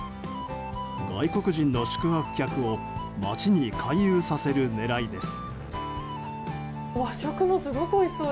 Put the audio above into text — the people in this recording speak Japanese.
外国人の宿泊客を街に回遊させる狙いです。